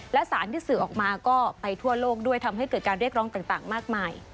และสารที่สื่อออกมาก็ไปทั่วโลกด้วยทำให้เกิดการเรียกร้องต่างมากมาย